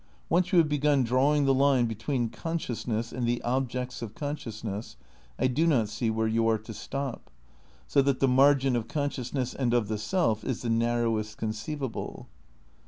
Once you have begun drawing the line between con sciousness and the objects of consciousness I do not see where you are to stop. So that the margin of con sciousness and of the self is the narrowest conceivable.